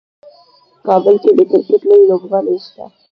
کابل کې د کرکټ لوی لوبغالی شته.